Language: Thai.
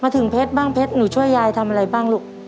ถึงเพชรบ้างเพชรหนูช่วยยายทำอะไรบ้างลูก